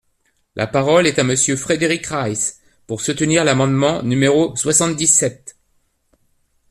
La parole est à Monsieur Frédéric Reiss, pour soutenir l’amendement numéro soixante-dix-sept.